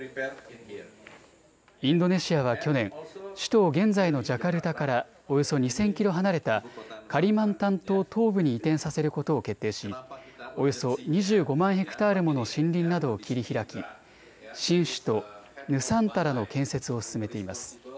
インドネシアは去年、首都を現在のジャカルタからおよそ２０００キロ離れたカリマンタン島東部に移転させることを決定し、およそ２５万ヘクタールもの森林などを切り開き新首都、ヌサンタラの建設を進めています。